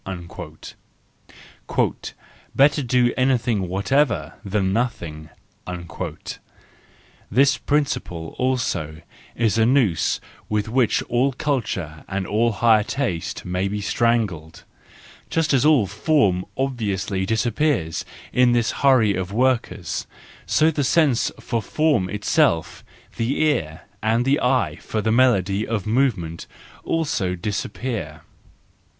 " Better do anything whatever, than nothing"—this principle also is a noose with which all culture and all higher taste may be strangled. And just as all form obviously disappears in this hurry of workers, so the sense for form itself, the ear and the eye for the melody of movement, also disappear.